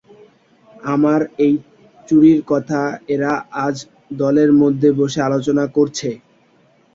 আমার এই চুরির কথা এরা আজ দলের মধ্যে বসে আলোচনা করছে!